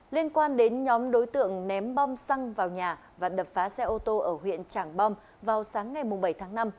liên quan đến nhóm đối tượng ném bom xăng vào nhà và đập phá xe ô tô ở huyện trảng bom vào sáng ngày bảy tháng năm